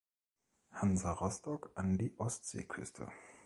Hansa Rostock an die Ostseeküste.